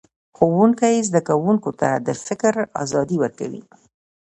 ښوونکی زده کوونکو ته د فکر ازادي ورکوي